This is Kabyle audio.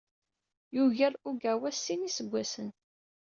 Yugar Ogawa s sin n yiseggasen.